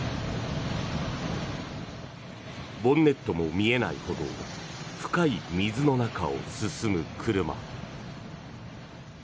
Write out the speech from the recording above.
ボンネットも見えないほど深い水の中を進む車。